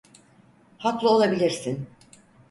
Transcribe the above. Haklı olabilirsin.